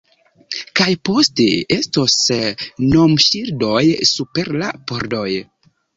Kaj poste estos nomŝildoj super la pordoj